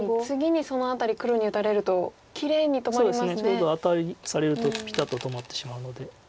ちょうどアタリにされるとピタッと止まってしまうので。